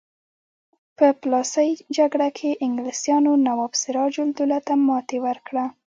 په پلاسۍ جګړه کې انګلیسانو نواب سراج الدوله ته ماتې ورکړه.